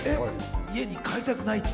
家に帰りたくないって。